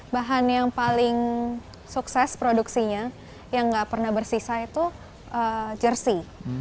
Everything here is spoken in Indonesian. bahan yang paling sukses produksinya yang nggak pernah bersisa itu jersi